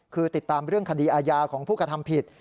คือติดตามเรื่องคดีอาญาของผู้กระทำผิด